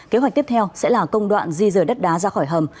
kế hoạch tiếp theo sẽ là công đoạn di rời đất đá ra khỏi hầm